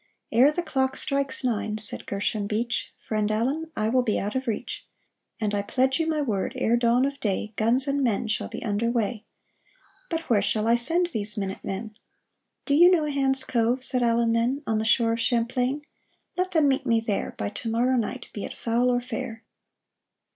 " Ere the clock strikes nine," said Gershom Beach, " Friend Allen, I will be out of reach ; THE ARMORER S ERRAND 419 And I pledge you my word, ere dawn of day Guns and men shall be under way. But where shall I send these minute men ?"" Do you know Hand's Cove ?" said Allen then, " On the shore of Champlain ? Let them meet me there By to morrow night, be it foul or fair